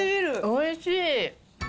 おいしい。